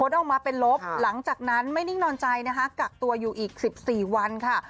ออกมาเป็นลบหลังจากนั้นไม่นิ่งนอนใจนะคะกักตัวอยู่อีก๑๔วันค่ะ